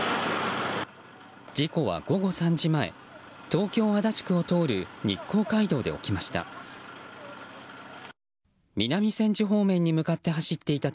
事故は午後３時前東京・足立区を通る日光街道で起きました。